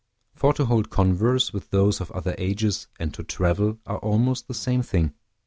For to hold converse with those of other ages and to travel, are almost the same thing.